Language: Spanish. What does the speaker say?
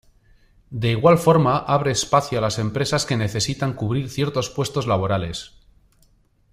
De igual forma abre espacio a las empresas que necesitan cubrir ciertos puestos laborales.